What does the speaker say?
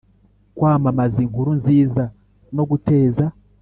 Kwamamaza inkuru nziza no guteza